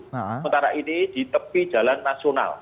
sementara ini di tepi jalan nasional